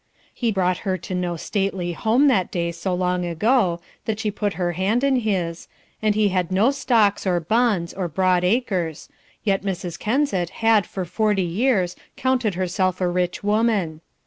He brought her to no stately home that day so long ago, that she put her hand in his, and he had no stocks or bonds or broad acres, yet Mrs. Kensett had for forty years counted herself a rich woman.